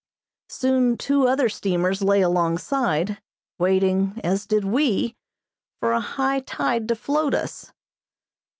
Soon two other steamers lay alongside, waiting, as did we, for a high tide to float us.